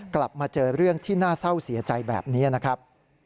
กลับมาเจอเรื่องที่น่าเศร้าเสียใจแบบนี้นะครับ